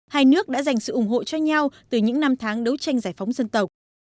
hai nước đã dành sự ủng hộ cho nhau từ những năm tháng đấu tranh giải phóng dân tộc